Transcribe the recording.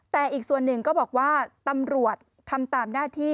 แต่อีกส่วนหนึ่งก็บอกว่าตำรวจทำตามหน้าที่